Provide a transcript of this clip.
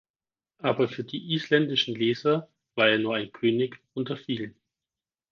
Aber für die isländischen Leser war er nur ein König unter vielen.